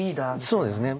そうですね。